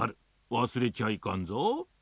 わすれちゃいかんぞ。